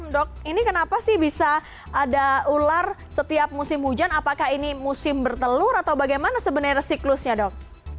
dok ini kenapa sih bisa ada ular setiap musim hujan apakah ini musim bertelur atau bagaimana sebenarnya siklusnya dok